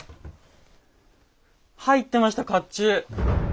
入ってました甲冑。